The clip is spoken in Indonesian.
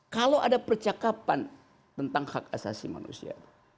kalau ada percakapan tentang hak asasi manusia